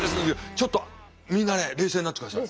ちょっとみんなね冷静になってください。